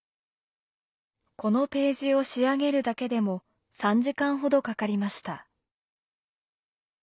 このページを仕上げるだけでも３時間ほどかかりました。